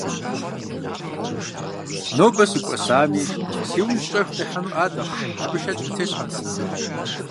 Нобэ сыкӀуэсами, си ужь щӀэх нихьэнуӀатэкъым – абы шэч къытесхьэртэкъым.